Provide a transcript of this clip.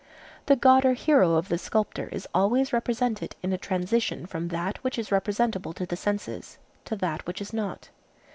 The god or hero of the sculptor is always represented in a transition from that which is representable to the senses, to that which is not.